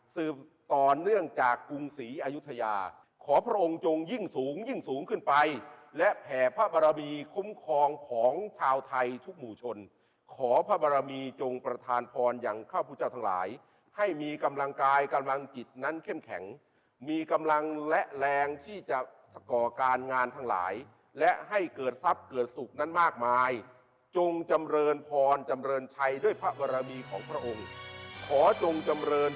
สืบต่อเนื่องจากกรุงศรีอยุธยาขอพระองค์จงยิ่งสูงยิ่งสูงขึ้นไปและแผ่พระบารมีคุ้มครองของชาวไทยทุกหมู่ชนขอพระบารมีจงประทานพรอย่างข้าวพุทธเจ้าทั้งหลายให้มีกำลังกายกำลังจิตนั้นเข้มแข็งมีกำลังและแรงที่จะก่อการงานทั้งหลายและให้เกิดทรัพย์เกิดสุขนั้นมากมาย